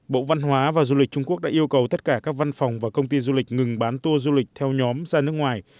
bộ văn hóa và du lịch trung quốc đã yêu cầu tất cả các văn phòng và công ty du lịch ngừng bán tour du lịch theo nhóm ra nước ngoài